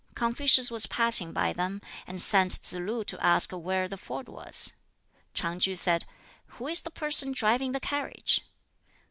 Confucius was passing by them, and sent Tsz lu to ask where the ford was. Ch'ang tsŁ said, "Who is the person driving the carriage?"